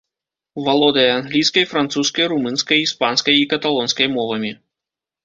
Валодае англійскай, французскай, румынскай, іспанскай і каталонскай мовамі.